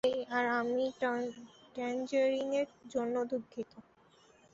হেই, আর আমি ট্যাঞ্জেরিনের জন্য দুঃখিত।